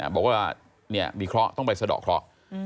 บอกว่ามีเคราะห์ต้องไปสะดอกเคราะห์